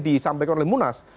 di sampai korle munas